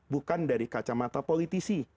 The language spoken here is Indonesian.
bukan dari kacamata politisi